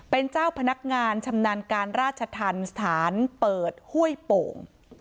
เป็นเจ้าพนักงานชำนาญการราชธรรมสถานเปิดห้วยโป่ง